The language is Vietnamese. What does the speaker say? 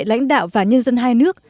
lãnh đạo và nhân dân hai nước